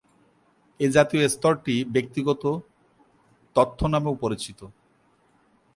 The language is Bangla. এই জাতীয় স্তরটি ""ব্যক্তিগত" তথ্য" নামেও পরিচিত।